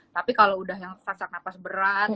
tapi kalau udah sak nafas berat